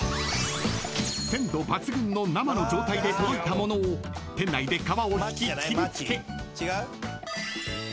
［鮮度抜群の生の状態で届いたものを店内で皮を引き切りつけ］